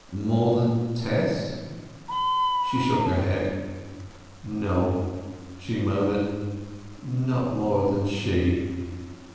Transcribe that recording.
"More than Tess?" She shook her head. "No," she murmured, "not more than she."